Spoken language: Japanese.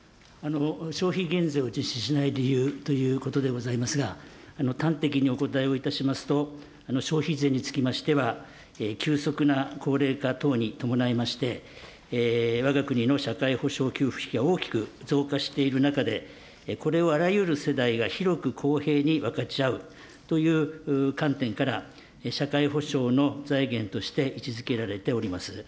消費減税を実施しない理由ということでございますが、端的にお答えをいたしますと、消費税につきましては、急速な高齢化等に伴いまして、わが国の社会保障給付費が大きく増加している中で、これをあらゆる世代が広く公平に分かち合うという観点から、社会保障の財源として位置づけられております。